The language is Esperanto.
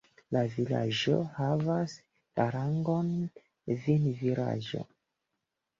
La vilaĝo havas la rangon vinvilaĝo.